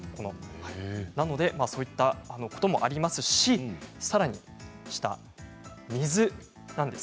なのでそういったこともありますしさらに水なんです。